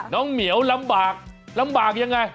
น้องแหมวลำบากลำบากยังไง